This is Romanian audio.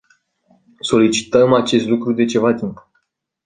Solicităm acest lucru de ceva timp.